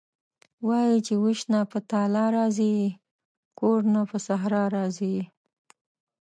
وايي چې وېش نه په تالا راضي یې کور نه په صحرا راضي یې..